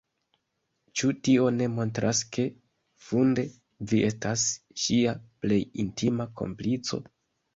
Ĉu tio ne montras ke, funde, vi estas ŝia plej intima komplico?